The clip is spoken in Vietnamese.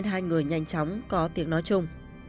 hai người nhanh chóng có tiếng nói chung